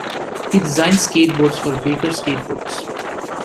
He designed skateboards for Baker Skateboards.